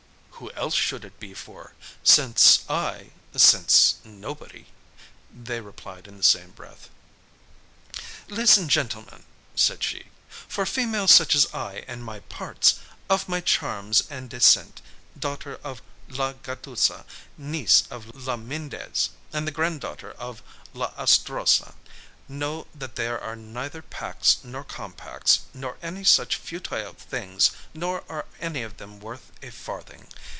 "Who else should it be for? since I since nobody " they replied in the same breath. "Listen, gentlemen," said she. "For females such as I and my parts, of my charms and descent daughter of La Gatusa, niece of La Mêndez, and granddaughter of La Astrosa know that there are neither pacts nor compacts, nor any such futile things, nor are any of them worth a farthing.